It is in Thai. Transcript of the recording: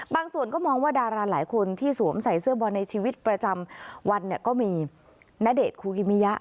ส่วนก็มองว่าดาราหลายคนที่สวมใส่เสื้อบอลในชีวิตประจำวันเนี่ยก็มีณเดชนคูกิมิยะ